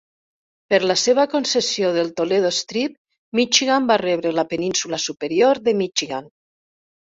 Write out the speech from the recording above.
Per la seva concessió del Toledo Strip, Michigan va rebre la península superior de Michigan.